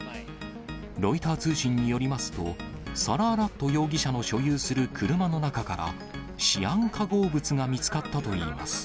ロイター通信によりますと、サラーラット容疑者の所有する車の中から、シアン化合物が見つかったといいます。